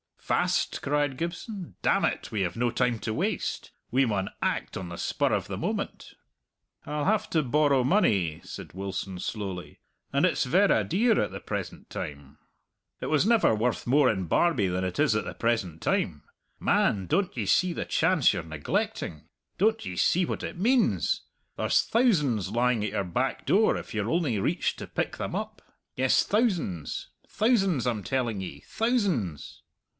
"Fast!" cried Gibson. "Damn it, we have no time to waste. We maun act on the spur of the moment." "I'll have to borrow money," said Wilson slowly; "and it's verra dear at the present time." "It was never worth more in Barbie than it is at the present time. Man, don't ye see the chance you're neglecting? Don't ye see what it means? There's thousands lying at your back door if ye'll only reach to pick them up. Yes, thousands. Thousands, I'm telling ye thousands!"